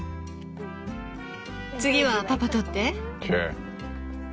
次はパパ取って。